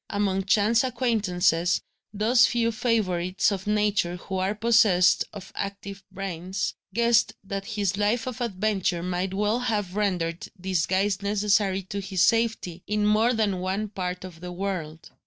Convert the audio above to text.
Among chance acquaintances, those few favourites of Nature who are possessed of active brains, guessed that his life of adventure might well have rendered disguise necessary to his safety, in more than one part of the world.